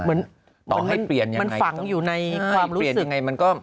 เหมือนมันฝังอยู่ในความรู้สึก